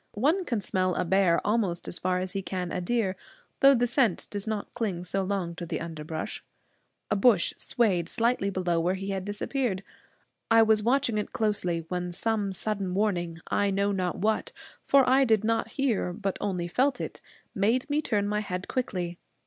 One can smell a bear almost as far as he can a deer, though the scent does not cling so long to the underbrush. A bush swayed slightly below where he had disappeared. I was watching it closely when some sudden warning I know not what, for I did not hear but only felt it made me turn my head quickly.